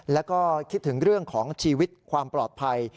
แล้วก็คิดถึงเรื่องของชีวิตความปลอดภัย